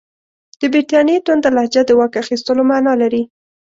د برټانیې تونده لهجه د واک اخیستلو معنی لري.